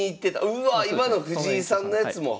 うわ今の藤井さんのやつも！